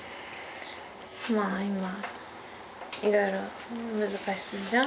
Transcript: まあ今いろいろ難しいじゃん。